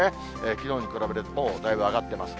きのうに比べると、もうだいぶ上がってます。